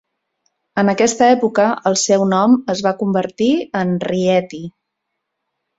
En aquesta època el seu nom es va convertir en Rieti.